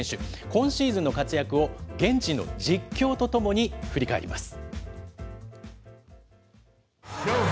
今シーズンの活躍を、現地の実況とともに振り返ります。